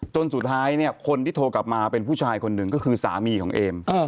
จนสุดท้ายเนี่ยคนที่โทรกลับมาเป็นผู้ชายคนหนึ่งก็คือสามีของเอม